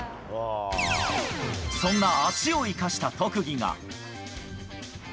そんな足を生かした特技が。